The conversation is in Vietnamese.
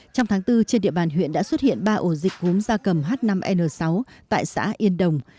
trong tháng bốn trên địa bàn huyện đã xuất hiện ba ổ dịch cúm da cầm h năm n sáu tại xã yên đồng